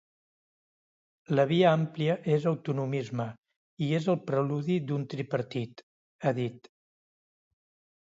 “La via àmplia és autonomisme i és el preludi d’un tripartit”, ha dit.